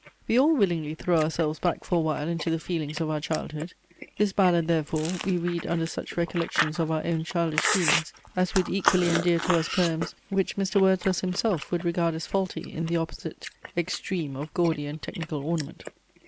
We all willingly throw ourselves back for awhile into the feelings of our childhood. This ballad, therefore, we read under such recollections of our own childish feelings, as would equally endear to us poems, which Mr. Wordsworth himself would regard as faulty in the opposite extreme of gaudy and technical ornament.